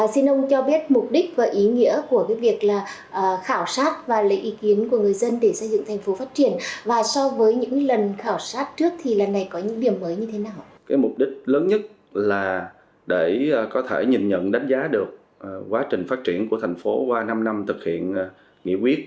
xin cảm ơn đồng chí lê văn minh đã nhận lời tham gia cuộc trò chuyện